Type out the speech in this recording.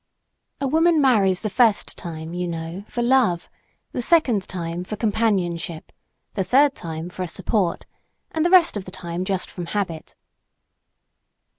A woman marries the first time, you know, for love, the second time for companionship, the third time for a support and the rest of the time just from habit.